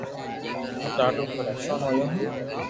ھين ڌاڌو پرآݾون ھويو ھون